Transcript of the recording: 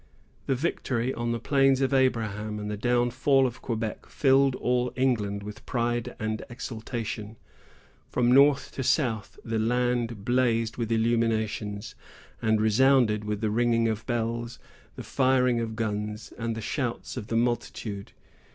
The victory on the Plains of Abraham and the downfall of Quebec filled all England with pride and exultation. From north to south, the land blazed with illuminations, and resounded with the ringing of bells, the firing of guns, and the shouts of the multitude.